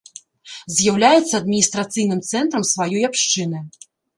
З'яўляецца адміністрацыйным цэнтрам сваёй абшчыны.